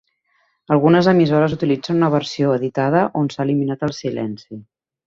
Algunes emissores utilitzen una versió editada on s'ha eliminat el silenci.